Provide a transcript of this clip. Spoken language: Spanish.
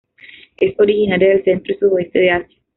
Es originaria del centro y sudoeste de Asia.